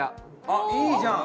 あっいいじゃん！